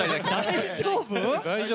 大丈夫？